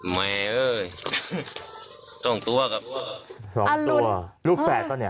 แม่เอ้ยโจ้งตัวกับสองตัวลูกแฝดเสริมเนี้ย